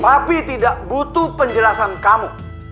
tapi tidak butuh penjelasan kamu